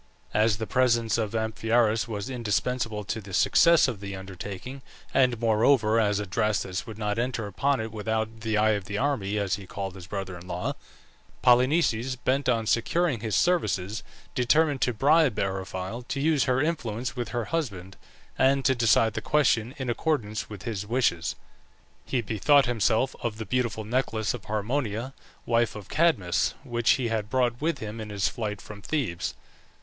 As the presence of Amphiaraus was indispensable to the success of the undertaking, and, moreover, as Adrastus would not enter upon it without "the eye of the army," as he called his brother in law, Polynices, bent on securing his services, determined to bribe Eriphyle to use her influence with her husband and to decide the question in accordance with his wishes. He bethought himself of the beautiful necklace of Harmonia, wife of Cadmus, which he had brought with him in his flight from Thebes.